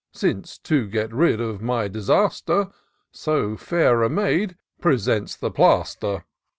Since, to get rid of my disaster. So fair a maid presents the plaster."